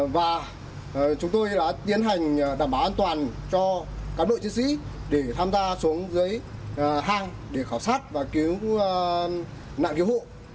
và chúng tôi đã tiến hành đảm bảo an toàn cho cán bộ chiến sĩ để tham gia xuống dưới hang để khảo sát và cứu nạn cứu hộ